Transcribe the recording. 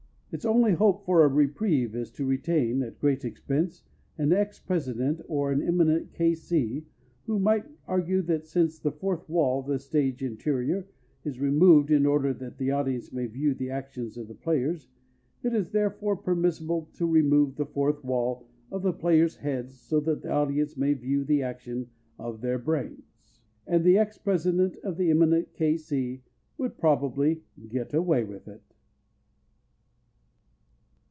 Its only hope for a reprieve is to retain (at great expense) an ex president or an eminent K. C. who might argue that since the "fourth wall" of a stage interior is removed in order that the audience may view the actions of the players, it is therefore permissible to remove the "fourth wall" of the players' heads so that the audience may view the action of their brains. And the ex president or the eminent K. C. would probably "get away with it."